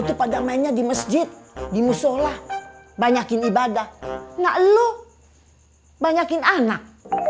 itu pada mainnya di masjid di musolah banyakin ibadah enak lu banyakin anak